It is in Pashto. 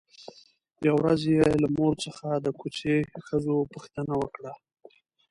يوه ورځ يې له مور څخه د کوڅې ښځو پوښتنه وکړه.